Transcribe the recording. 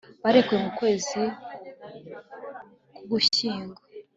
barekuwe mu kwezi k'ugushyingo